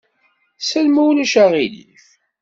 Sel, ma ulac aɣilif.